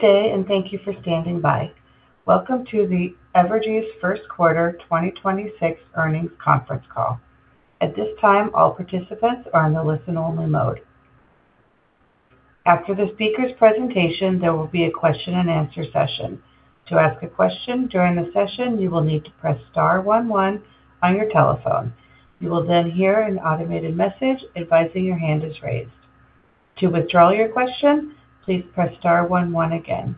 Good day, and thank you for standing by. Welcome to the Evergy's first quarter 2026 earnings conference call. At this time, all paticipants are in a listen only mode. After the speaker's presentation there will be a question and answer session. To ask a question during the session, you will need to press star one one on your telephone. You will then hear an automated message advising your hand is raised. To withdraw your question please press star one one again.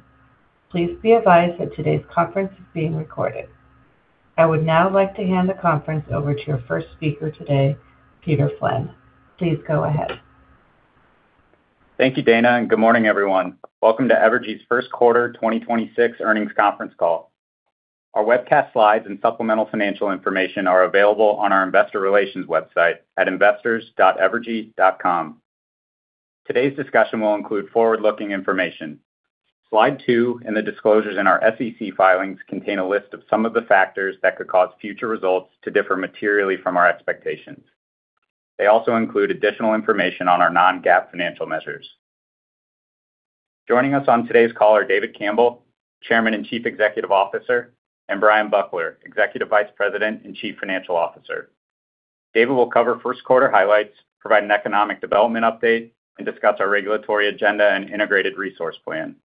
Please be advised that today's conference is being recorded. I would now like to hand the conference over to your first speaker today, Peter Flynn. Please go ahead. Thank you, Dana, and good morning, everyone. Welcome to Evergy's first quarter 2026 earnings conference call. Our webcast slides and supplemental financial information are available on our investor relations website at investors.evergy.com. Today's discussion will include forward-looking information. Slide two and the disclosures in our SEC filings contain a list of some of the factors that could cause future results to differ materially from our expectations. They also include additional information on our non-GAAP financial measures. Joining us on today's call are David Campbell, Chairman and Chief Executive Officer, and Bryan Buckler, Executive Vice President and Chief Financial Officer. David will cover first quarter highlights, provide an economic development update, and discuss our regulatory agenda and integrated resource plan.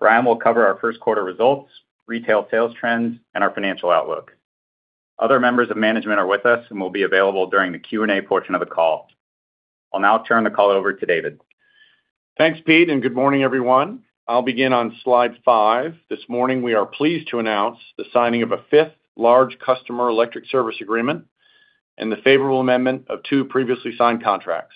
Bryan will cover our first quarter results, retail sales trends, and our financial outlook. Other members of management are with us and will be available during the Q&A portion of the call. I'll now turn the call over to David. Thanks, Pete. Good morning, everyone. I'll begin on slide five. This morning, we are pleased to announce the signing of a 5th large customer electric service agreement and the favorable amendment of two previously signed contracts.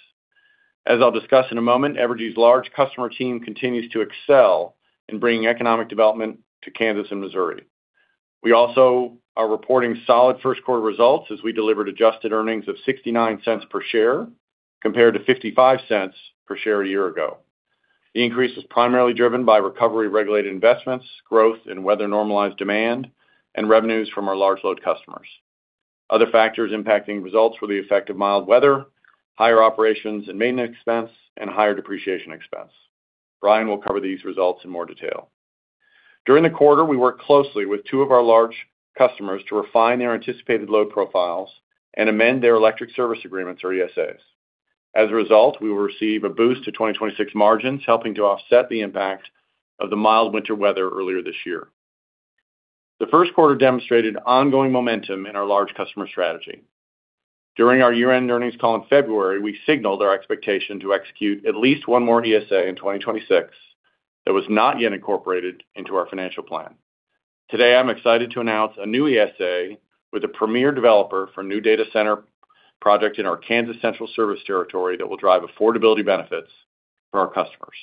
As I'll discuss in a moment, Evergy's large customer team continues to excel in bringing economic development to Kansas and Missouri. We also are reporting solid first quarter results as we delivered adjusted earnings of $0.69 per share compared to $0.55 per share a year ago. The increase was primarily driven by recovery regulated investments, growth in weather normalized demand, and revenues from our large load customers. Other factors impacting results were the effect of mild weather, higher operations and maintenance expense, and higher depreciation expense. Bryan will cover these results in more detail. During the quarter, we worked closely with two of our large customers to refine their anticipated load profiles and amend their electric service agreements or ESAs. As a result, we will receive a boost to 2026 margins, helping to offset the impact of the mild winter weather earlier this year. The first quarter demonstrated ongoing momentum in our large customer strategy. During our year-end earnings call in February, we signaled our expectation to execute at least one more ESA in 2026 that was not yet incorporated into our financial plan. Today, I'm excited to announce a new ESA with a premier developer for a new data center project in our Kansas Central service territory that will drive affordability benefits for our customers.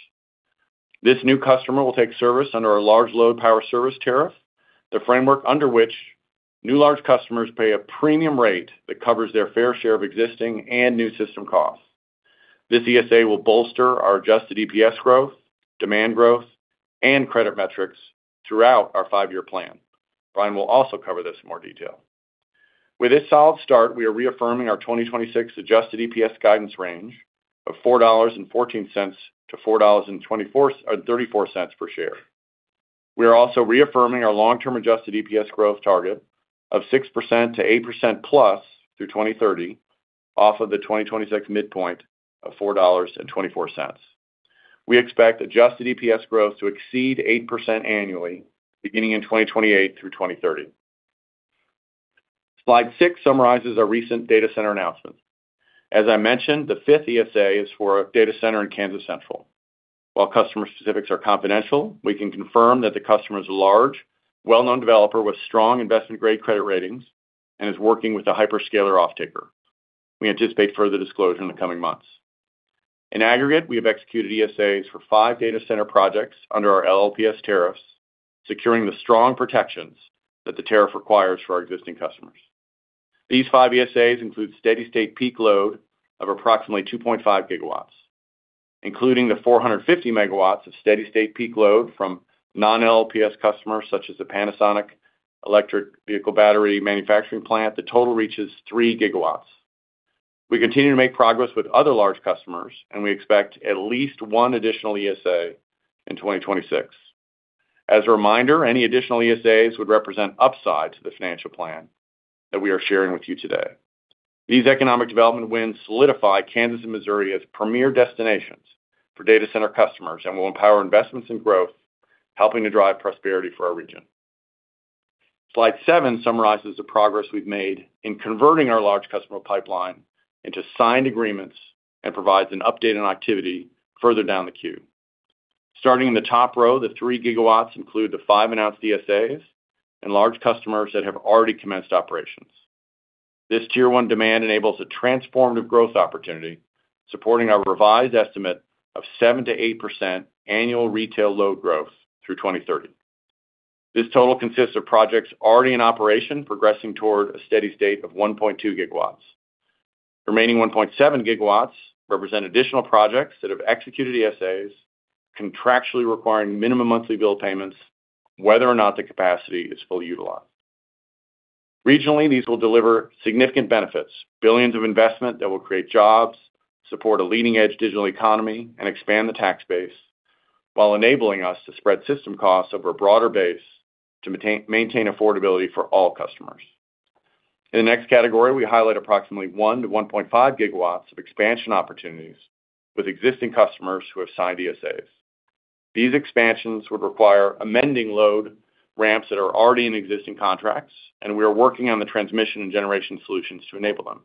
This new customer will take service under our Large Load Power Service tariff, the framework under which new large customers pay a premium rate that covers their fair share of existing and new system costs. This ESA will bolster our adjusted EPS growth, demand growth, and credit metrics throughout our five-year plan. Bryan will also cover this in more detail. With this solid start, we are reaffirming our 2026 adjusted EPS guidance range of $4.14 $4.34 per share. We are also reaffirming our long-term adjusted EPS growth target of 6%-8%+ through 2030 off of the 2026 midpoint of $4.24. We expect adjusted EPS growth to exceed 8% annually beginning in 2028 through 2030. Slide 6 summarizes our recent data center announcements. As I mentioned, the fifth ESA is for a data center in Kansas Central. While customer specifics are confidential, we can confirm that the customer is a large, well-known developer with strong investment-grade credit ratings and is working with a hyperscaler off-taker. We anticipate further disclosure in the coming months. In aggregate, we have executed ESAs for five data center projects under our LLPS tariffs, securing the strong protections that the tariff requires for our existing customers. These 5 ESAs include steady-state peak load of approximately 2.5 GW, including the 450 MW of steady-state peak load from non-LLPS customers such as the Panasonic Electric Vehicle Battery Manufacturing Plant that total reaches 3 GW. We continue to make progress with other large customers. We expect at least 1 additional ESA in 2026. As a reminder, any additional ESAs would represent upside to the financial plan that we are sharing with you today. These economic development wins solidify Kansas and Missouri as premier destinations for data center customers and will empower investments and growth, helping to drive prosperity for our region. Slide seven summarizes the progress we've made in converting our large customer pipeline into signed agreements and provides an update on activity further down the queue. Starting in the top row, the 3 GW include the five announced ESAs and large customers that have already commenced operations. This tier one demand enables a transformative growth opportunity, supporting our revised estimate of 7%-8% annual retail load growth through 2030. This total consists of projects already in operation progressing toward a steady state of 1.2 GW. Remaining 1.7 GW represent additional projects that have executed ESAs contractually requiring minimum monthly bill payments, whether or not the capacity is fully utilized. Regionally, these will deliver significant benefits, billions of investment that will create jobs, support a leading-edge digital economy, and expand the tax base, while enabling us to spread system costs over a broader base to maintain affordability for all customers. In the next category, we highlight approximately 1 to 1.5 GW of expansion opportunities with existing customers who have signed ESAs. These expansions would require amending load ramps that are already in existing contracts. We are working on the transmission and generation solutions to enable them.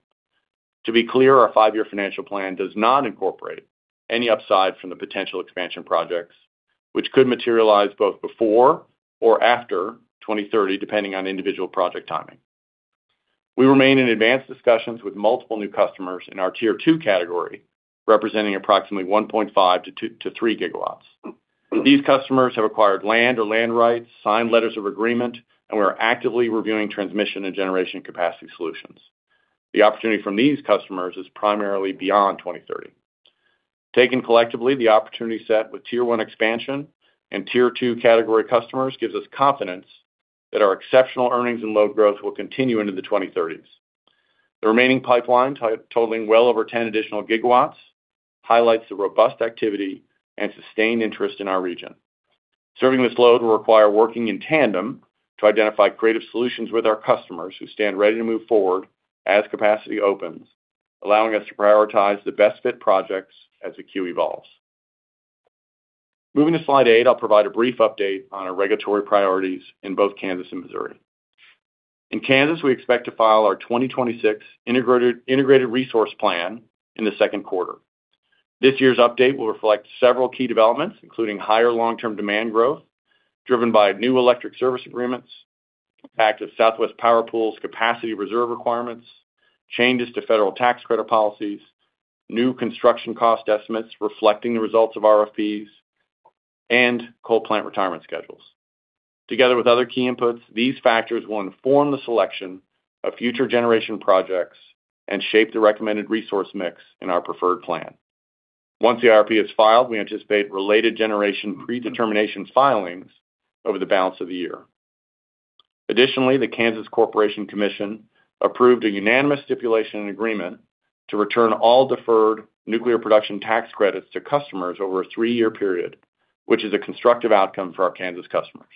To be clear, our five-year financial plan does not incorporate any upside from the potential expansion projects, which could materialize both before or after 2030, depending on individual project timing. We remain in advanced discussions with multiple new customers in our tier two category, representing approximately 1.5 to 3 GW. These customers have acquired land or land rights, signed letters of agreement. We are actively reviewing transmission and generation capacity solutions. The opportunity from these customers is primarily beyond 2030. Taken collectively, the opportunity set with tier one expansion and tier two category customers gives us confidence that our exceptional earnings and load growth will continue into the 2030s. The remaining pipeline totaling well over 10 additional gigawatts highlights the robust activity and sustained interest in our region. Serving this load will require working in tandem to identify creative solutions with our customers who stand ready to move forward as capacity opens, allowing us to prioritize the best-fit projects as the queue evolves. Moving to slide eight, I'll provide a brief update on our regulatory priorities in both Kansas and Missouri. In Kansas, we expect to file our 2026 integrated resource plan in the second quarter. This year's update will reflect several key developments, including higher long-term demand growth driven by new electric service agreements, the fact of Southwest Power Pool's capacity reserve requirements, changes to federal tax credit policies, new construction cost estimates reflecting the results of RFPs, and coal plant retirement schedules. Together with other key inputs, these factors will inform the selection of future generation projects and shape the recommended resource mix in our preferred plan. Once the IRP is filed, we anticipate related generation predetermination filings over the balance of the year. Additionally, the Kansas Corporation Commission approved a unanimous stipulation and agreement to return all deferred nuclear production tax credits to customers over a three-year period, which is a constructive outcome for our Kansas customers.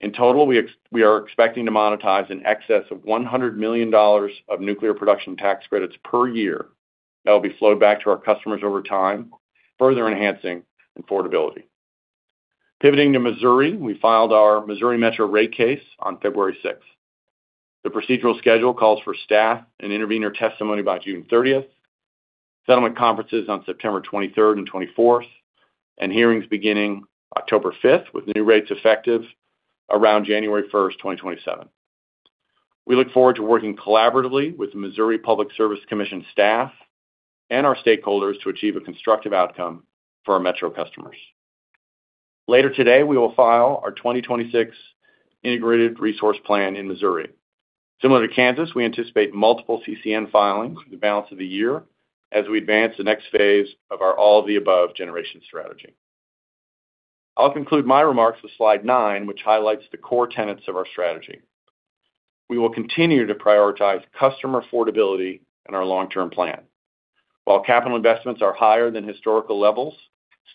In total, we are expecting to monetize in excess of $100 million of nuclear production tax credits per year that will be flowed back to our customers over time, further enhancing affordability. Pivoting to Missouri, we filed our Missouri Metro rate case on February 6. The procedural schedule calls for staff and intervener testimony by June 30, settlement conferences on September 23 and 24, and hearings beginning October 5, with the new rates effective around January 1, 2027. We look forward to working collaboratively with the Missouri Public Service Commission staff and our stakeholders to achieve a constructive outcome for our metro customers. Later today, we will file our 2026 integrated resource plan in Missouri. Similar to Kansas, we anticipate multiple CCN filings for the balance of the year as we advance the next phase of our all of the above generation strategy. I'll conclude my remarks with slide nine, which highlights the core tenets of our strategy. We will continue to prioritize customer affordability in our long-term plan. While capital investments are higher than historical levels,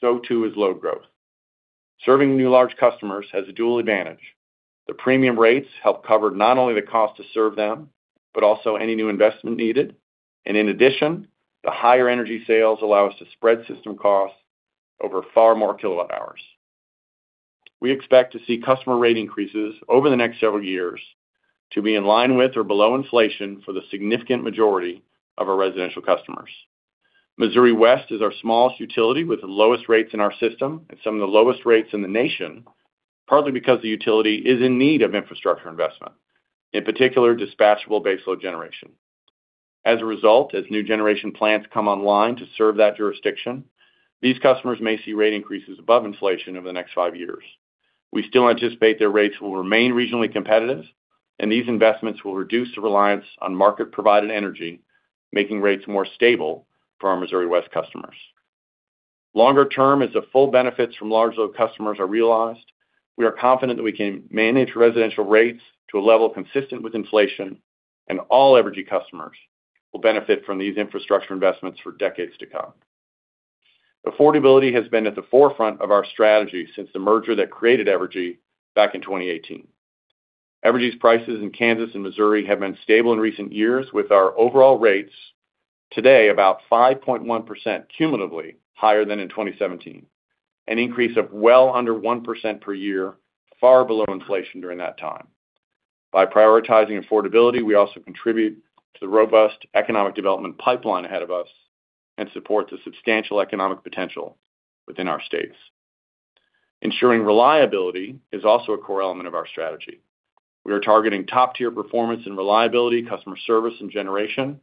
so too is load growth. Serving new large customers has a dual advantage. The premium rates help cover not only the cost to serve them, but also any new investment needed. In addition, the higher energy sales allow us to spread system costs over far more kilowatt hours. We expect to see customer rate increases over the next several years to be in line with or below inflation for the significant majority of our residential customers. Missouri West is our smallest utility with the lowest rates in our system and some of the lowest rates in the nation, partly because the utility is in need of infrastructure investment, in particular dispatchable baseload generation. As a result, as new generation plants come online to serve that jurisdiction, these customers may see rate increases above inflation over the next five years. We still anticipate their rates will remain regionally competitive, and these investments will reduce the reliance on market-provided energy, making rates more stable for our Missouri West customers. Longer term, as the full benefits from large load customers are realized, we are confident that we can manage residential rates to a level consistent with inflation, and all Evergy customers will benefit from these infrastructure investments for decades to come. Affordability has been at the forefront of our strategy since the merger that created Evergy back in 2018. Evergy's prices in Kansas and Missouri have been stable in recent years, with our overall rates today about 5.1% cumulatively higher than in 2017, an increase of well under 1% per year, far below inflation during that time. By prioritizing affordability, we also contribute to the robust economic development pipeline ahead of us and support the substantial economic potential within our states. Ensuring reliability is also a core element of our strategy. We are targeting top-tier performance and reliability, customer service, and generation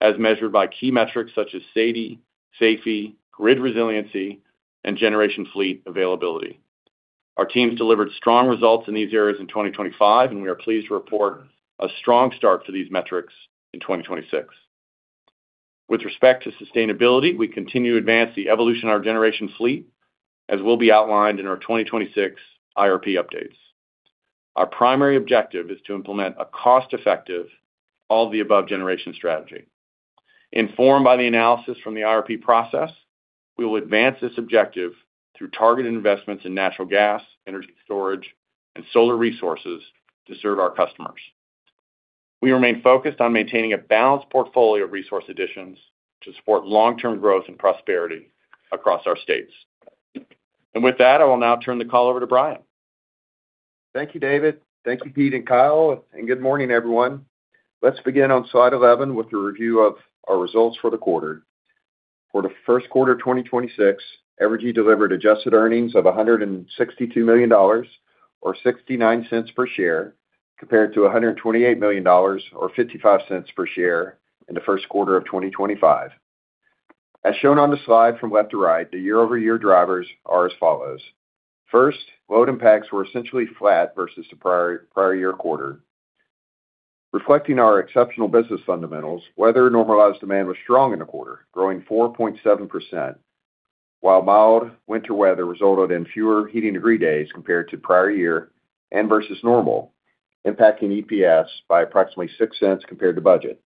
as measured by key metrics such as SAIFI, grid resiliency, and generation fleet availability. Our teams delivered strong results in these areas in 2025, and we are pleased to report a strong start to these metrics in 2026. With respect to sustainability, we continue to advance the evolution of our generation fleet, as will be outlined in our 2026 IRP updates. Our primary objective is to implement a cost-effective all-of-the-above generation strategy. Informed by the analysis from the IRP process, we will advance this objective through targeted investments in natural gas, energy storage, and solar resources to serve our customers. We remain focused on maintaining a balanced portfolio of resource additions to support long-term growth and prosperity across our states. With that, I will now turn the call over to Bryan. Thank you, David. Thank you, Pete and Kyle, good morning, everyone. Let's begin on slide 11 with a review of our results for the quarter. For the first quarter of 2026, Evergy delivered adjusted earnings of $162 million or $0.69 per share, compared to $128 million or $0.55 per share in the first quarter of 2025. As shown on the slide from left to right, the year-over-year drivers are as follows. First, load impacts were essentially flat versus the prior year quarter. Reflecting our exceptional business fundamentals, weather normalized demand was strong in the quarter, growing 4.7%, while mild winter weather resulted in fewer heating degree days compared to the prior year and versus normal, impacting EPS by approximately $0.06 compared to budget.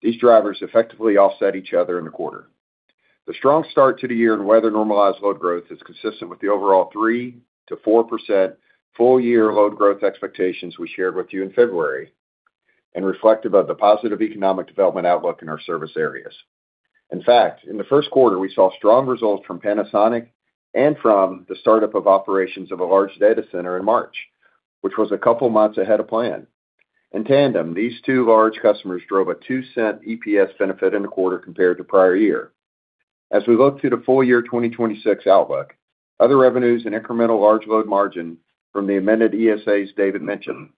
These drivers effectively offset each other in the quarter. The strong start to the year in weather normalized load growth is consistent with the overall 3%-4% full-year load growth expectations we shared with you in February and reflective of the positive economic development outlook in our service areas. In fact, in the first quarter, we saw strong results from Panasonic and from the startup of operations of a large data center in March, which was a couple months ahead of plan. In tandem, these two large customers drove a $0.02 EPS benefit in the quarter compared to prior year. As we look to the full year 2026 outlook, other revenues and incremental large load margin from the amended ESAs David mentioned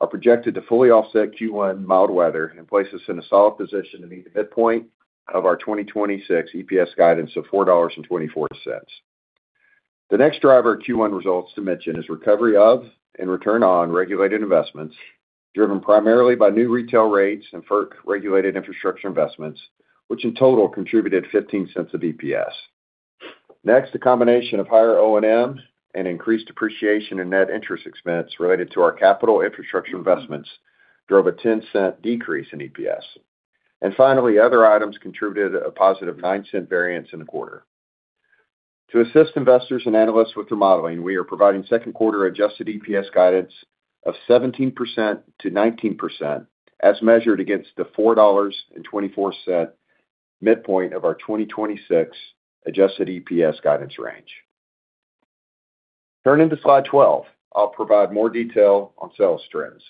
are projected to fully offset Q1 mild weather and place us in a solid position to meet the midpoint of our 2026 EPS guidance of $4.24. The next driver Q1 results to mention is recovery of and return on regulated investments driven primarily by new retail rates and FERC regulated infrastructure investments, which in total contributed $0.15 of EPS. A combination of higher O&Ms and increased depreciation in net interest expense related to our capital infrastructure investments drove a $0.10 decrease in EPS. Other items contributed a positive $0.09 variance in the quarter. To assist investors and analysts with their modeling, we are providing second quarter adjusted EPS guidance of 17%-19% as measured against the $4.24 midpoint of our 2026 adjusted EPS guidance range. Turning to slide 12, I'll provide more detail on sales trends.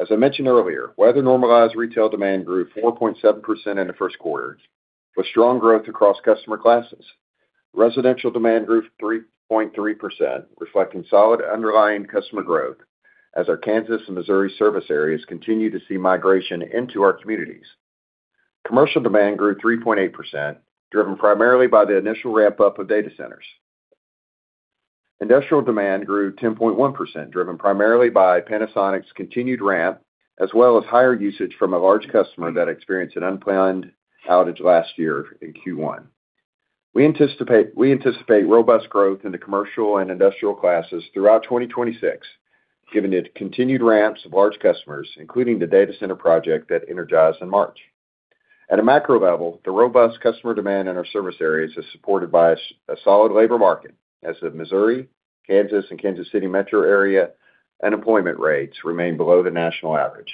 As I mentioned earlier, weather normalized retail demand grew 4.7% in the first quarter, with strong growth across customer classes. Residential demand grew 3.3%, reflecting solid underlying customer growth as our Kansas and Missouri service areas continue to see migration into our communities. Commercial demand grew 3.8%, driven primarily by the initial ramp-up of data centers. Industrial demand grew 10.1%, driven primarily by Panasonic's continued ramp, as well as higher usage from a large customer that experienced an unplanned outage last year in Q1. We anticipate robust growth in the commercial and industrial classes throughout 2026, given the continued ramps of large customers, including the data center project that energized in March. At a macro level, the robust customer demand in our service areas is supported by a solid labor market as the Missouri, Kansas, and Kansas City metro area unemployment rates remain below the national average.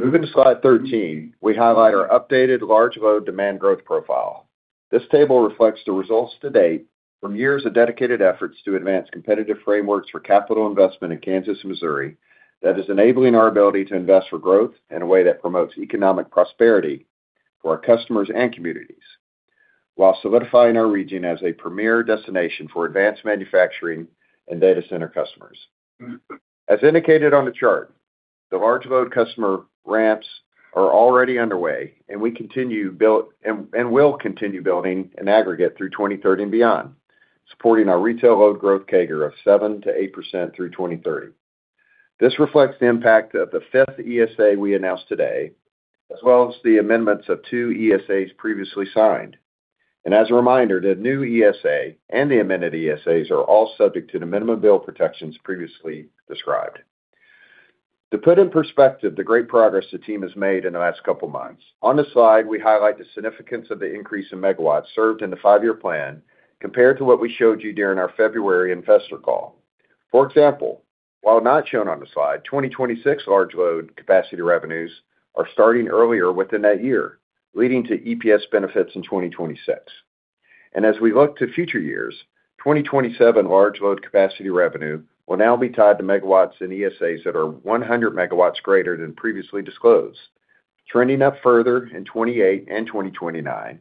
Moving to slide 13, we highlight our updated large load demand growth profile. This table reflects the results to date from years of dedicated efforts to advance competitive frameworks for capital investment in Kansas and Missouri that is enabling our ability to invest for growth in a way that promotes economic prosperity for our customers and communities, while solidifying our region as a premier destination for advanced manufacturing and data center customers. As indicated on the chart, the large load customer ramps are already underway, and we will continue building in aggregate through 2030 and beyond, supporting our retail load growth CAGR of 7%-8% through 2030. This reflects the impact of the fifth ESA we announced today, as well as the amendments of two ESAs previously signed. As a reminder, the new ESA and the amended ESAs are all subject to the minimum bill protections previously described. To put in perspective the great progress the team has made in the last couple of months, on this slide, we highlight the significance of the increase in MW served in the five-year plan compared to what we showed you during our February investor call. For example, while not shown on the slide, 2026 large load capacity revenues are starting earlier within that year, leading to EPS benefits in 2026. As we look to future years, 2027 large load capacity revenue will now be tied to MW in ESAs that are 100 MW greater than previously disclosed, trending up further in 2028 and 2029,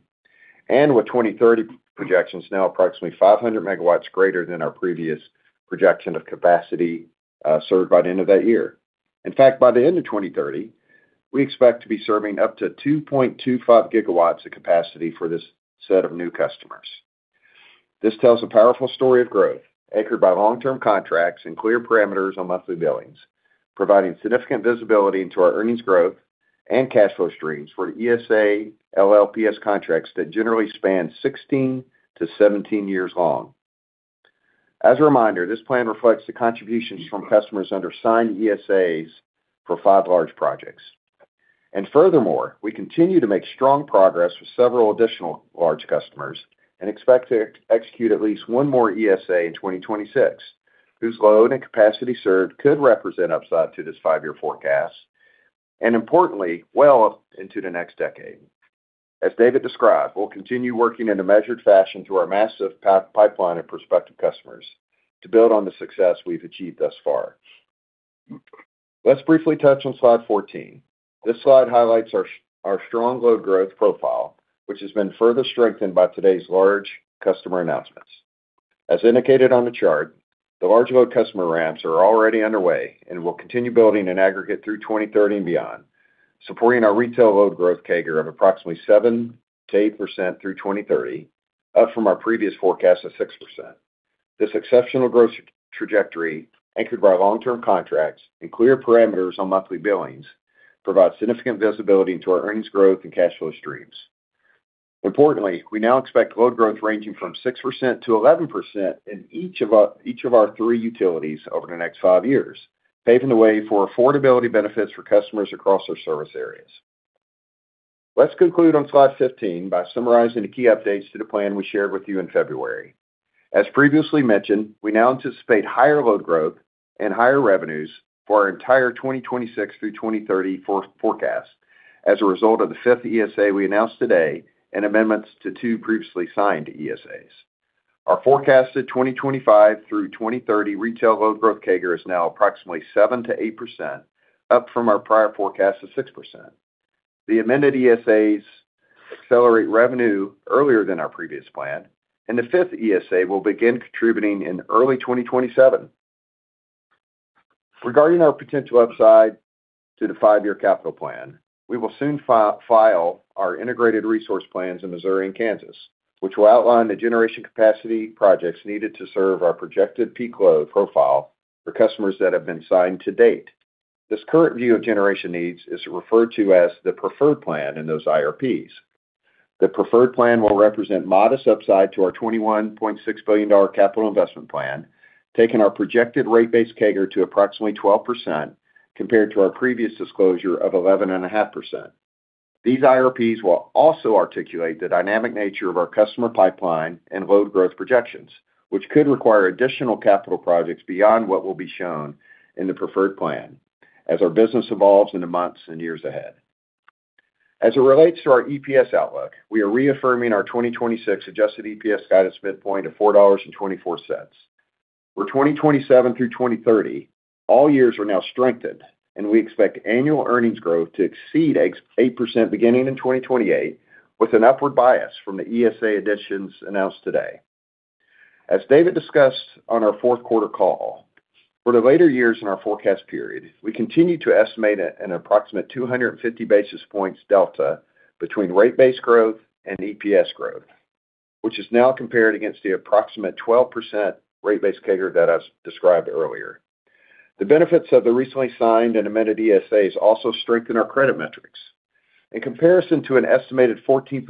with 2030 projections now approximately 500 MW greater than our previous projection of capacity served by the end of that year. In fact, by the end of 2030, we expect to be serving up to 2.25 GW of capacity for this set of new customers. This tells a powerful story of growth anchored by long-term contracts and clear parameters on monthly billings, providing significant visibility into our earnings growth and cash flow streams for the ESA LLPS contracts that generally span 16-17 years long. As a reminder, this plan reflects the contributions from customers under signed ESAs for five large projects. Furthermore, we continue to make strong progress with several additional large customers and expect to execute at least one more ESA in 2026, whose load and capacity served could represent upside to this five-year forecast, and importantly, well into the next decade. As David described, we'll continue working in a measured fashion through our massive pipeline of prospective customers to build on the success we've achieved thus far. Let's briefly touch on slide 14. This slide highlights our strong load growth profile, which has been further strengthened by today's large customer announcements. As indicated on the chart, the large load customer ramps are already underway and will continue building in aggregate through 2030 and beyond, supporting our retail load growth CAGR of approximately 7%-8% through 2030, up from our previous forecast of 6%. This exceptional growth trajectory, anchored by long-term contracts and clear parameters on monthly billings, provides significant visibility into our earnings growth and cash flow streams. Importantly, we now expect load growth ranging from 6% to 11% in each of our three utilities over the next five years, paving the way for affordability benefits for customers across our service areas. Let's conclude on slide 15 by summarizing the key updates to the plan we shared with you in February. As previously mentioned, we now anticipate higher load growth and higher revenues for our entire 2026 through 2030 forecast as a result of the fifth ESA we announced today and amendments to two previously signed ESAs. Our forecasted 2025 through 2030 retail load growth CAGR is now approximately 7%-8%, up from our prior forecast of 6%. The amended ESAs accelerate revenue earlier than our previous plan, and the fifth ESA will begin contributing in early 2027. Regarding our potential upside to the five-year capital plan, we will soon file our integrated resource plans in Missouri and Kansas, which will outline the generation capacity projects needed to serve our projected peak load profile for customers that have been signed to date. This current view of generation needs is referred to as the preferred plan in those IRPs. The preferred plan will represent modest upside to our $21.6 billion capital investment plan, taking our projected rate base CAGR to approximately 12% compared to our previous disclosure of 11.5%. These IRPs will also articulate the dynamic nature of our customer pipeline and load growth projections, which could require additional capital projects beyond what will be shown in the preferred plan as our business evolves in the months and years ahead. As it relates to our EPS outlook, we are reaffirming our 2026 adjusted EPS guidance midpoint of $4.24. For 2027 through 2030, all years are now strengthened, and we expect annual earnings growth to exceed 8% beginning in 2028, with an upward bias from the ESA additions announced today. As David discussed on our fourth quarter call, for the later years in our forecast period, we continue to estimate an approximate 250 basis points delta between rate base growth and EPS growth, which is now compared against the approximate 12% rate base CAGR that I described earlier. The benefits of the recently signed and amended ESAs also strengthen our credit metrics. In comparison to an estimated 14%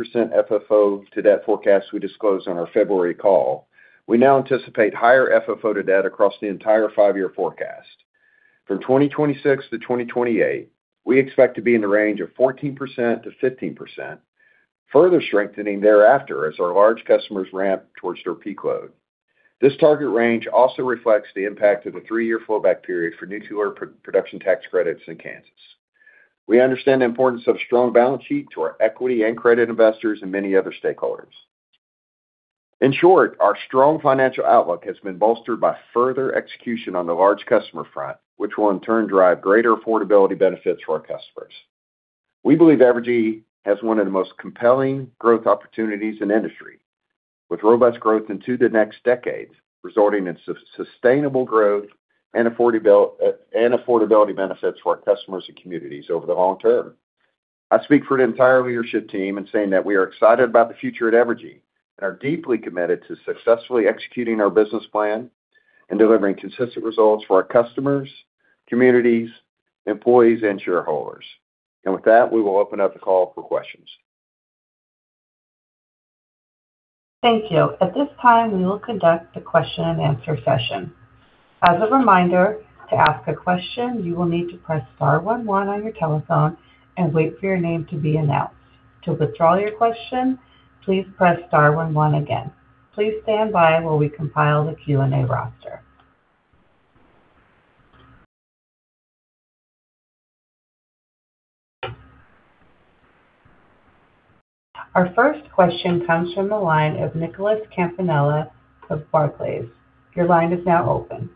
FFO to debt forecast we disclosed on our February call, we now anticipate higher FFO to debt across the entire five-year forecast. From 2026 to 2028, we expect to be in the range of 14%-15%, further strengthening thereafter as our large customers ramp towards their peak load. This target range also reflects the impact of a three-year flow back period for nuclear production tax credits in Kansas. We understand the importance of a strong balance sheet to our equity and credit investors and many other stakeholders. In short, our strong financial outlook has been bolstered by further execution on the large customer front, which will in turn drive greater affordability benefits for our customers. We believe Evergy has one of the most compelling growth opportunities in the industry, with robust growth into the next decade, resulting in sustainable growth and affordability benefits for our customers and communities over the long term. I speak for the entire leadership team in saying that we are excited about the future at Evergy and are deeply committed to successfully executing our business plan and delivering consistent results for our customers, communities, employees and shareholders. With that, we will open up the call for questions. Thank you. At this time, we will conduct the question and answer session. As a reminder, to ask a question you will need to press star one one on your telephone, and wait for your name to be announced. To withdraw your question, please press star one again.. Please stand by while we compile the Q&A roster. Our first question comes from the line of Nicholas Campanella of Barclays. Your line is now open.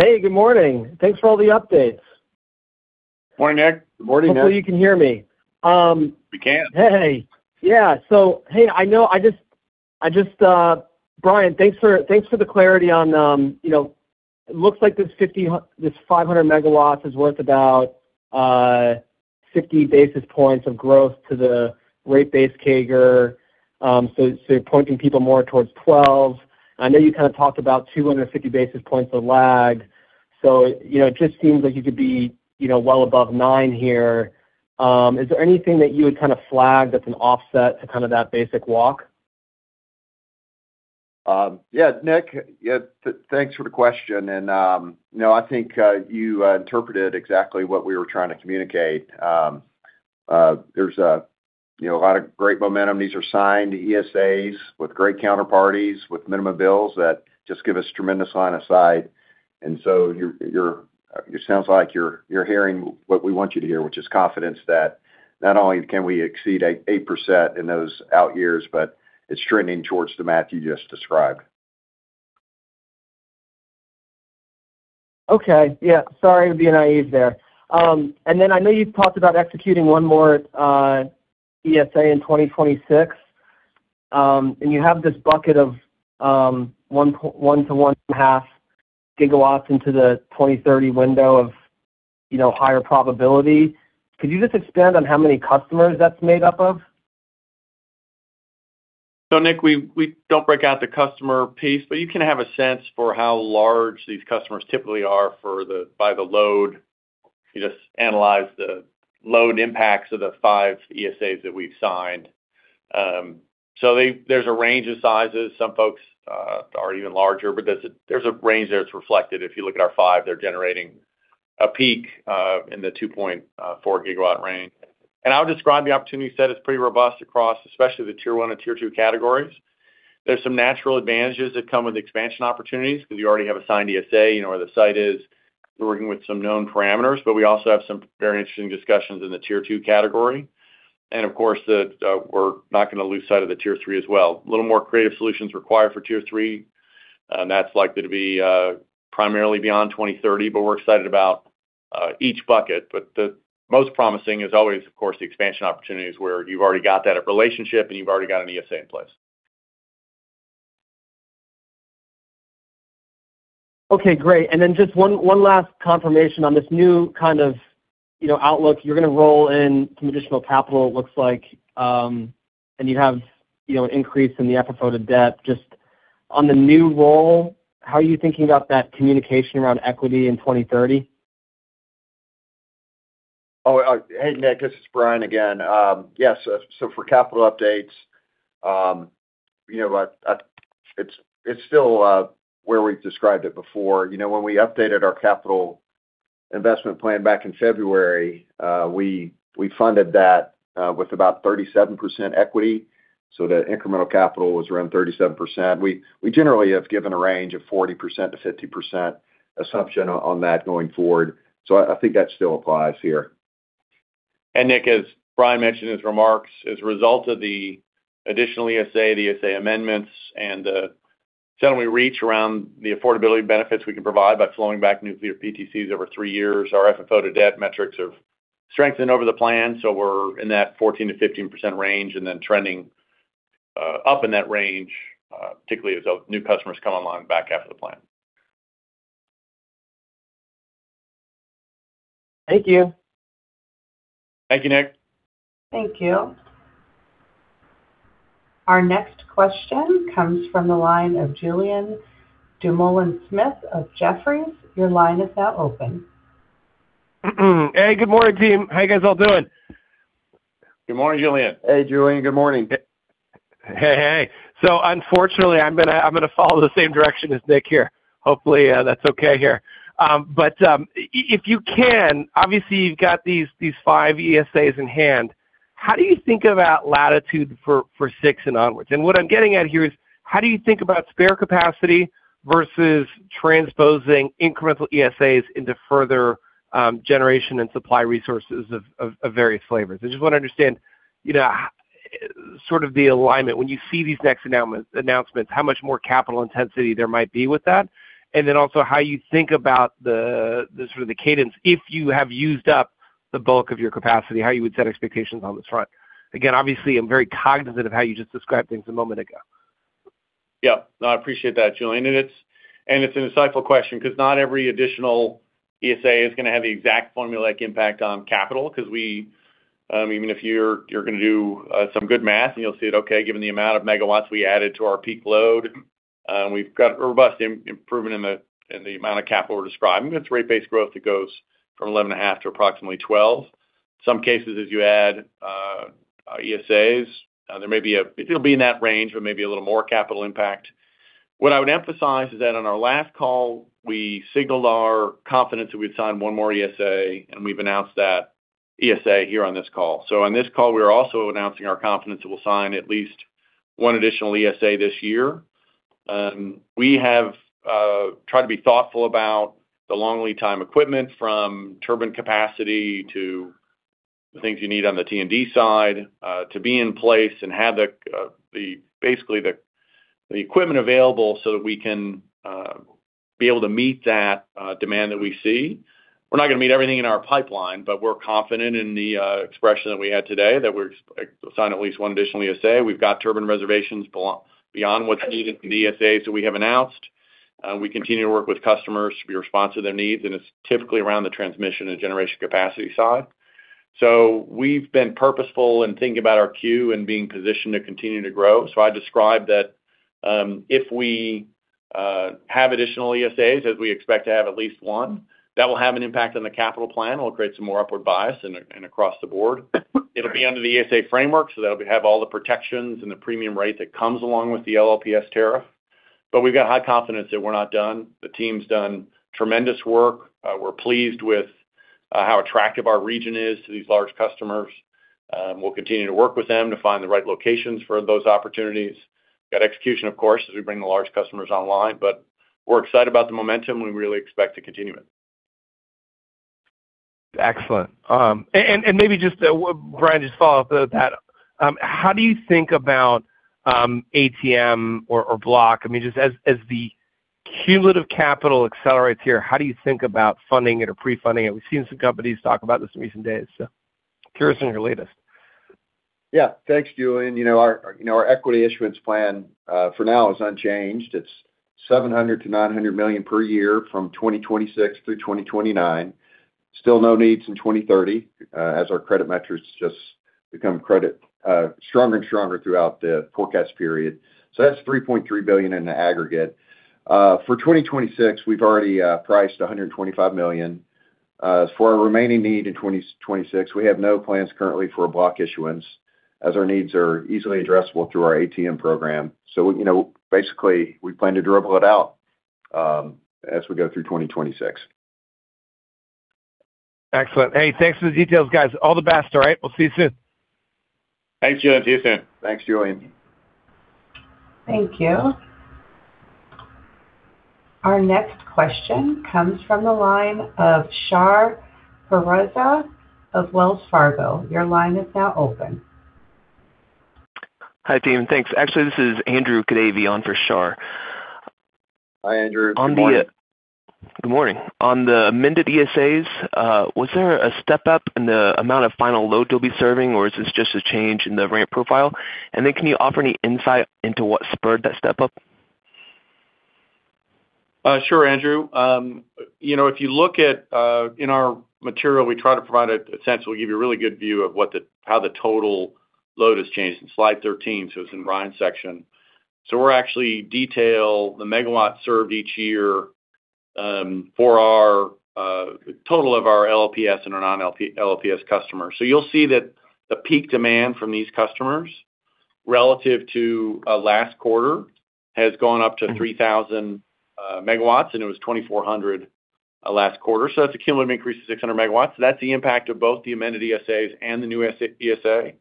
Hey, good morning. Thanks for all the updates. Morning, Nick. Good morning, Nick. Hopefully you can hear me. We can. Hey. Yeah. So, hey, I know I just, Bryan, thanks for the clarity on, you know, looks like this 500 MW is worth about 50 basis points of growth to the rate base CAGR, so you're pointing people more towards 12. I know you kind of talked about 250 basis points of lag. You know, it just seems like you could be, you know, well above nine here. Is there anything that you would kind of flag that's an offset to kind of that basic walk? Yeah, Nick, yeah, thanks for the question, you know, I think you interpreted exactly what we were trying to communicate. There's a, you know, a lot of great momentum. These are signed ESAs with great counterparties, with minimum bills that just give us tremendous line of sight. You're, it sounds like you're hearing what we want you to hear, which is confidence that not only can we exceed 8% in those out years, but it's trending towards the math you just described. Okay. Yeah, sorry, being naive there. I know you've talked about executing one more ESA in 2026. You have this bucket of 1 to 1.5 GW into the 2030 window of, you know, higher probability. Could you just expand on how many customers that's made up of? Nick, we don't break out the customer piece, but you can have a sense for how large these customers typically are by the load. You just analyze the load impacts of the five ESAs that we've signed. There's a range of sizes. Some folks are even larger, but there's a range there that's reflected. If you look at our five, they're generating a peak in the 2.4 GW range. I would describe the opportunity set as pretty robust across especially the tier one and tier two categories. There's some natural advantages that come with expansion opportunities because you already have a signed ESA. You know where the site is. You're working with some known parameters, but we also have some very interesting discussions in the tier two category. Of course, we're not gonna lose sight of the tier three as well. A little more creative solutions required for tier three, and that's likely to be primarily beyond 2030, but we're excited about each bucket. The most promising is always, of course, the expansion opportunities where you've already got that relationship and you've already got an ESA in place. Okay, great. Then just one last confirmation on this new kind of, you know, outlook. You're gonna roll in some additional capital, it looks like, and you have, you know, an increase in the FFO to debt. Just on the new roll, how are you thinking about that communication around equity in 2030? Hey Nick, this is Bryan again. Yes, for capital updates, you know, it's still where we've described it before. When we updated our capital investment plan back in February, we funded that with about 37% equity, the incremental capital was around 37%. We generally have given a range of 40%-50% assumption on that going forward. I think that still applies here. Nick, as Bryan mentioned in his remarks, as a result of the additional ESA, the ESA amendments and the settlement we reached around the affordability benefits we can provide by flowing back nuclear PTCs over three years, our FFO to debt metrics have strengthened over the plan. We're in that 14%-15% range and then trending up in that range, particularly as new customers come online back after the plan. Thank you. Thank you, Nick. Thank you. Our next question comes from the line of Julien Dumoulin-Smith of Jefferies. Your line is now open. Hey, good morning, team. How you guys all doing? Good morning, Julien. Hey, Julien, good morning. Hey, hey. Unfortunately, I'm gonna follow the same direction as Nick here. Hopefully, that's okay here. If you can, obviously you've got these five ESAs in hand. How do you think about latitude for six and onwards? What I'm getting at here is: How do you think about spare capacity versus transposing incremental ESAs into further generation and supply resources of various flavors? I just want to understand, you know, sort of the alignment. When you see these next announcements, how much more capital intensity there might be with that. Then also how you think about the sort of the cadence, if you have used up the bulk of your capacity, how you would set expectations on this front. Again, obviously, I'm very cognizant of how you just described things a moment ago. Yeah. No, I appreciate that, Julien. It's an insightful question because not every additional ESA is gonna have the exact formulaic impact on capital. 'Cause we, even if you're gonna do some good math and you'll see it, okay, given the amount of MW we added to our peak load, we've got robust improvement in the amount of capital we're describing. That's rate-based growth that goes from 11.5 to approximately 12. Some cases, as you add ESAs, there may be it'll be in that range, but maybe a little more capital impact. What I would emphasize is that on our last call, we signaled our confidence that we'd sign one more ESA. We've announced that ESA here on this call. On this call, we are also announcing our confidence that we'll sign at least one additional ESA this year. We have tried to be thoughtful about the long lead time equipment from turbine capacity to the things you need on the T&D side to be in place and have the basically the equipment available so that we can be able to meet that demand that we see. We're not gonna meet everything in our pipeline, but we're confident in the expression that we had today that we're sign at least one additional ESA. We've got turbine reservations beyond what's needed from ESAs that we have announced. We continue to work with customers to be responsive to their needs, and it's typically around the transmission and generation capacity side. We've been purposeful in thinking about our queue and being positioned to continue to grow. I described that, if we have additional ESAs, as we expect to have at least one, that will have an impact on the capital plan. It'll create some more upward bias and across the board. It'll be under the ESA framework, that'll have all the protections and the premium rate that comes along with the LLPS tariff. We've got high confidence that we're not done. The team's done tremendous work. We're pleased with how attractive our region is to these large customers. We'll continue to work with them to find the right locations for those opportunities. We've got execution, of course, as we bring the large customers online. We're excited about the momentum, and we really expect to continue it. Excellent. Maybe just, Bryan, just follow up with that. How do you think about ATM or block? I mean, just as the cumulative capital accelerates here, how do you think about funding it or pre-funding it? We've seen some companies talk about this in recent days. Curious on your latest? Thanks, Julien. You know, our, you know, our equity issuance plan for now is unchanged. It's $700 million-$900 million per year from 2026 through 2029. Still no needs in 2030, as our credit metrics just become credit stronger and stronger throughout the forecast period. That's $3.3 billion in the aggregate. For 2026, we've already priced $125 million. As for our remaining need in 2026, we have no plans currently for a block issuance, as our needs are easily addressable through our ATM program. You know, basically, we plan to dribble it out as we go through 2026. Excellent. Hey, thanks for the details, guys. All the best, all right? We'll see you soon. Thanks, Julien. See you soon. Thanks, Julien. Thank you. Our next question comes from the line of Shar Pourreza of Wells Fargo. Your line is now open. Hi, team. Thanks. Actually, this is Andrew Kadavy on for Shar. Hi, Andrew. Good morning. Good morning. On the amended ESAs, was there a step-up in the amount of final load you'll be serving, or is this just a change in the ramp profile? Can you offer any insight into what spurred that step-up? Sure, Andrew. You know, if you look at in our material, we try to provide a sense. We'll give you a really good view of how the total load has changed in slide 13, so it's in Bryan's section. We're actually detail the MW served each year for our total of our LLPS and our non-LLPS customers. You'll see that the peak demand from these customers relative to last quarter has gone up to 3,000 MW, and it was 2,400 last quarter. That's a cumulative increase of 600 MW. That's the impact of both the amended ESAs and the new ESA.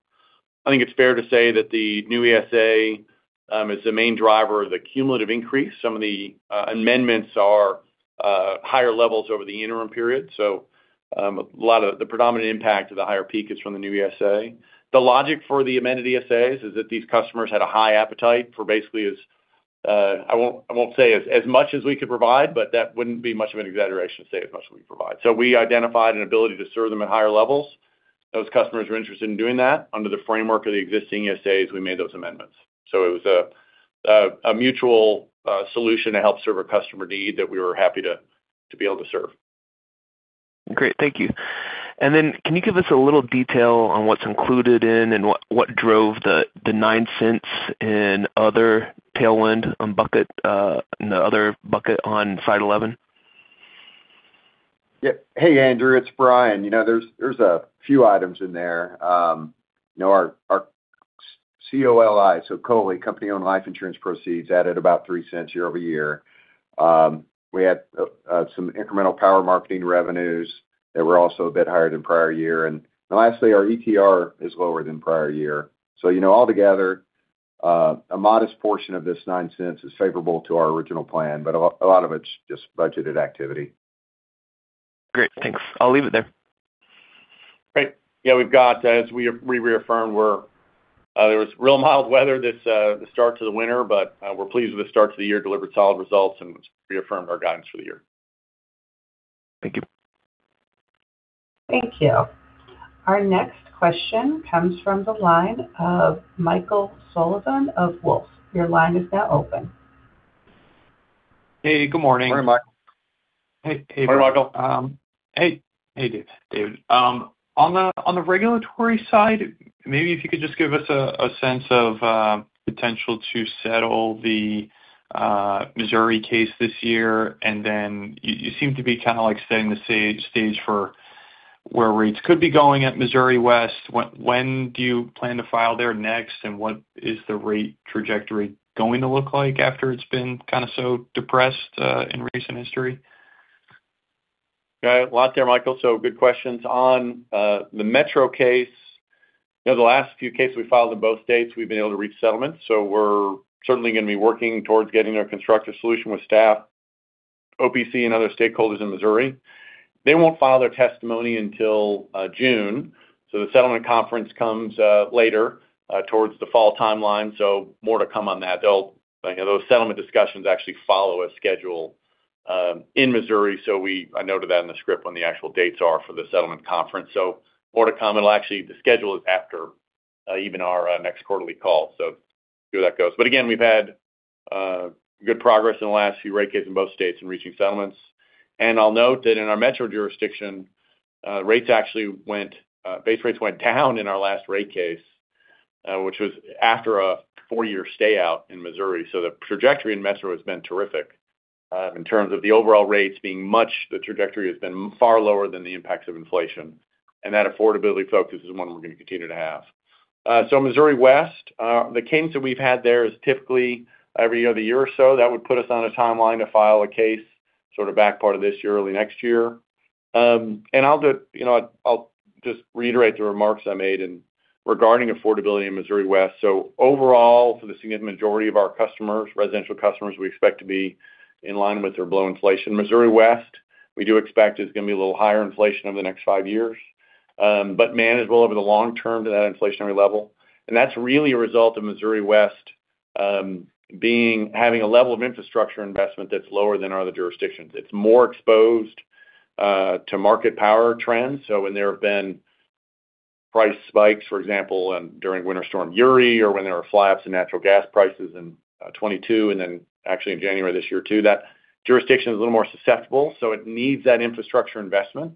I think it's fair to say that the new ESA is the main driver of the cumulative increase. Some of the amendments are higher levels over the interim period. A lot of the predominant impact of the higher peak is from the new ESA. The logic for the amended ESAs is that these customers had a high appetite for basically as, I won't say as much as we could provide, but that wouldn't be much of an exaggeration to say as much as we could provide. We identified an ability to serve them at higher levels. Those customers were interested in doing that. Under the framework of the existing ESAs, we made those amendments. It was a mutual solution to help serve a customer need that we were happy to be able to serve. Great. Thank you. Can you give us a little detail on what's included in and what drove the $0.09 in other tailwind bucket in the other bucket on slide 11? Yeah. Hey, Andrew, it's Bryan. You know, there's a few items in there. You know, our C-O-L-I, so COLI, company-owned life insurance proceeds added about $0.03 year-over-year. We had some incremental power marketing revenues that were also a bit higher than prior year. Lastly, our ETR is lower than prior year. You know, all together, a modest portion of this $0.09 is favorable to our original plan, but a lot of it's just budgeted activity. Great. Thanks. I'll leave it there. Great. We've got, as we reaffirmed, we're, there was real mild weather this, the start to the winter, but, we're pleased with the start to the year, delivered solid results, and reaffirmed our guidance for the year. Thank you. Thank you. Our next question comes from the line of Michael Sullivan of Wolfe. Your line is now open. Hey, good morning. Morning, Mike. Hey. Hey. Morning, Michael. Hey, Dave. David. On the regulatory side, maybe if you could just give us a sense of potential to settle the Missouri case this year. you seem to be kind of like setting the stage for where rates could be going at Missouri West. When do you plan to file there next, and what is the rate trajectory going to look like after it's been kind of so depressed in recent history? Got a lot there, Michael, good questions. On the Metro case, you know, the last few cases we filed in both states, we've been able to reach settlement. We're certainly gonna be working towards getting a constructive solution with staff, OPC, and other stakeholders in Missouri. They won't file their testimony until June. The settlement conference comes later towards the fall timeline, more to come on that. Those settlement discussions actually follow a schedule in Missouri, I noted that in the script when the actual dates are for the settlement conference. More to come, and actually the schedule is after even our next quarterly call. We'll see how that goes. Again, we've had good progress in the last few rate cases in both states in reaching settlements. I'll note that in our metro jurisdiction, base rates went down in our last rate case, which was after a four-year stay out in Missouri. The trajectory in metro has been terrific, in terms of the overall rates being. The trajectory has been far lower than the impacts of inflation, and that affordability focus is one we're going to continue to have. Missouri West, the cadence that we've had there is typically every other year or so. That would put us on a timeline to file a case sort of back part of this year, early next year. I'll just, you know, I'll just reiterate the remarks I made in regarding affordability in Missouri West. Overall, for the significant majority of our customers, residential customers, we expect to be in line with or below inflation. Missouri West, we do expect is going to be a little higher inflation over the next five years, but manageable over the long term to that inflationary level. That's really a result of Missouri West having a level of infrastructure investment that's lower than other jurisdictions. It's more exposed to market power trends. When there have been price spikes, for example, during Winter Storm Uri or when there were fly-ups in natural gas prices in 2022 and then actually in January this year too, that jurisdiction is a little more susceptible, so it needs that infrastructure investment.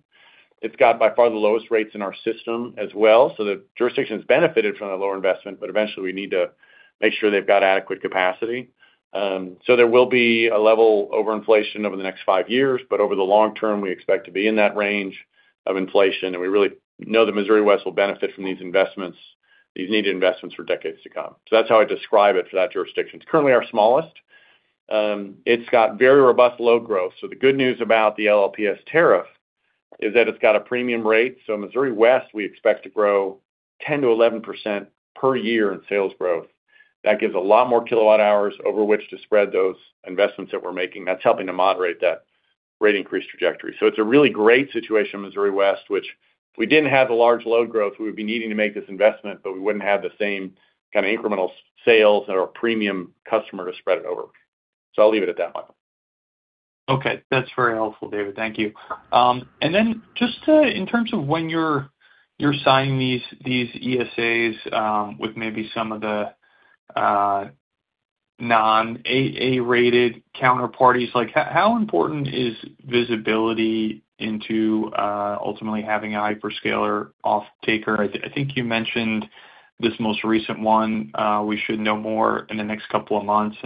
It's got by far the lowest rates in our system as well, so the jurisdiction's benefited from that lower investment, but eventually we need to make sure they've got adequate capacity. There will be a level over inflation over the next five years, but over the long term, we expect to be in that range of inflation, and we really know that Missouri West will benefit from these investments, these needed investments for decades to come. That's how I describe it for that jurisdiction. It's currently our smallest. It's got very robust load growth. The good news about the LLPS tariff is that it's got a premium rate. Missouri West, we expect to grow 10% to 11% per year in sales growth. That gives a lot more kilowatt hours over which to spread those investments that we're making. That's helping to moderate that rate increase trajectory. It's a really great situation in Missouri West, which if we didn't have the large load growth, we would be needing to make this investment, but we wouldn't have the same kind of incremental sales or premium customer to spread it over. I'll leave it at that, Michael. Okay. That's very helpful, David. Thank you. In terms of when you're signing these ESAs with maybe some of the non AA-rated counterparties, like how important is visibility into ultimately having a hyperscaler off-taker? I think you mentioned this most recent one, we should know more in the next couple of months.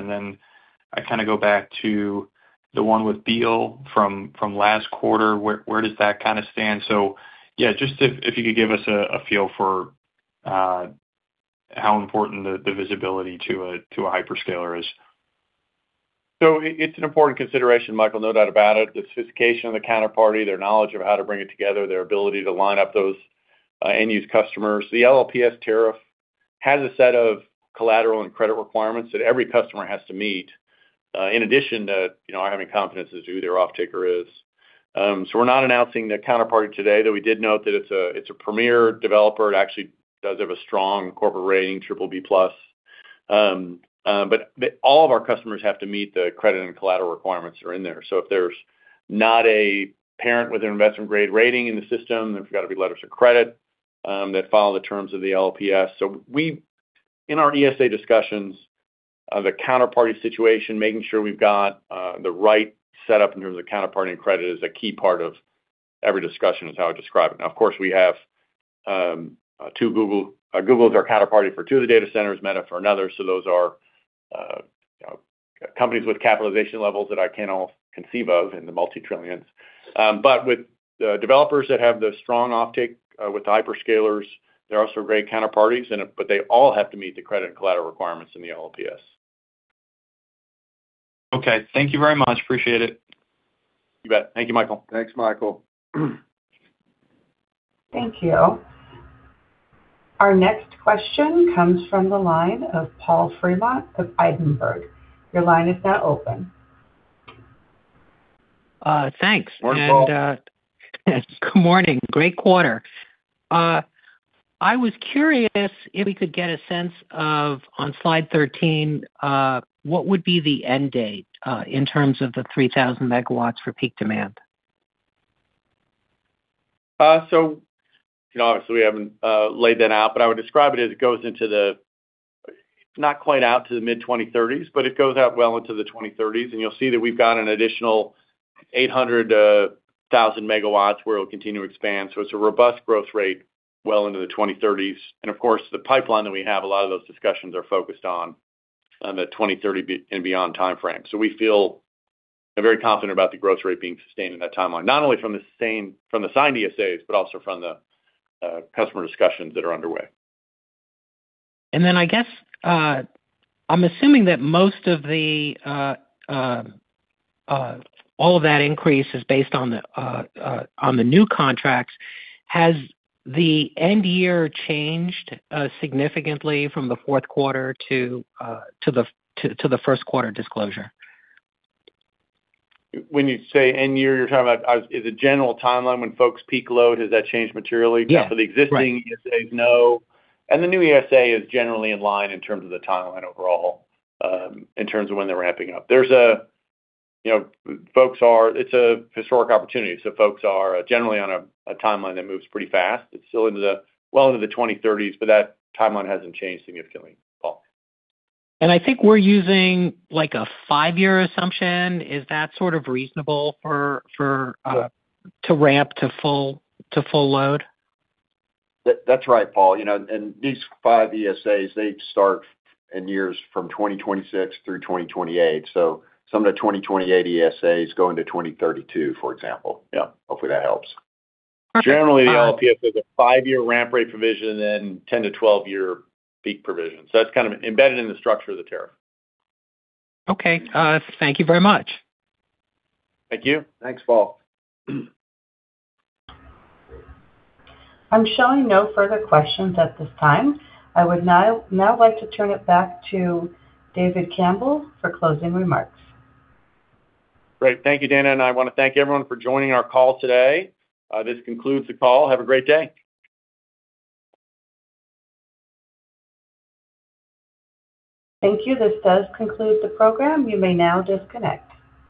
I kind of go back to the one deal from last quarter. Where does that kind of stand? Just if you could give us a feel for how important the visibility to a hyperscaler is. It's an important consideration, Michael, no doubt about it. The sophistication of the counterparty, their knowledge of how to bring it together, their ability to line up those end-use customers. The LLPS tariff has a set of collateral and credit requirements that every customer has to meet in addition to, you know, our having confidence as to who their off-taker is. We're not announcing the counterparty today, though we did note that it's a premier developer. It actually does have a strong corporate rating, BBB+. All of our customers have to meet the credit and collateral requirements that are in there. If there's not a parent with an investment-grade rating in the system, there's got to be letters of credit that follow the terms of the LLPS. In our ESA discussions of the counterparty situation, making sure we've got the right setup in terms of counterparty and credit is a key part of every discussion, is how I'd describe it. Of course, we have two Google. Google is our counterparty for two of the data centers, Meta for another. Those are companies with capitalization levels that I can't all conceive of in the multi-trillions. With the developers that have the strong offtake with the hyperscalers, they're also great counterparties, but they all have to meet the credit and collateral requirements in the LLPS. Okay. Thank you very much. Appreciate it. You bet. Thank you, Michael. Thanks, Michael. Thank you. Our next question comes from the line of Paul Fremont of Ladenburg. Thanks. Morning, Paul. Good morning. Great quarter. I was curious if we could get a sense of, on slide 13, what would be the end date in terms of the 3,000 MW for peak demand? You know, obviously we haven't laid that out, but I would describe it as it goes into not quite out to the mid-2030s, but it goes out well into the 2030s. You'll see that we've got an additional 800,000 MW where it'll continue to expand. It's a robust growth rate well into the 2030s. Of course, the pipeline that we have, a lot of those discussions are focused on the 2030 and beyond timeframe. We feel very confident about the growth rate being sustained in that timeline, not only from the signed ESAs, but also from the customer discussions that are underway. I guess, I'm assuming that most of the all of that increase is based on the new contracts. Has the end year changed significantly from the fourth quarter to the first quarter disclosure? When you say end year, you're talking about as a general timeline when folks peak load, has that changed materially? Yeah. Right. For the existing ESAs, no. The new ESA is generally in line in terms of the timeline overall, in terms of when they're ramping up. You know, It's a historic opportunity, so folks are generally on a timeline that moves pretty fast. It's still well into the 2030s, but that timeline hasn't changed significantly, Paul. I think we're using like a five-year assumption. Is that sort of reasonable for? Yeah To ramp to full load? That's right, Paul. You know, these five ESAs, they start in years from 2026 through 2028. Some of the 2028 ESAs go into 2032, for example. Yeah, hopefully that helps. Perfect. Generally, the LLPS has a five-year ramp rate provision and 10-year to 12-year peak provision. That's kind of embedded in the structure of the tariff. Okay. Thank you very much. Thank you. Thanks, Paul. I'm showing no further questions at this time. I would now like to turn it back to David Campbell for closing remarks. Great. Thank you, Dana. I want to thank everyone for joining our call today. This concludes the call. Have a great day. Thank you. This does conclude the program. You may now disconnect.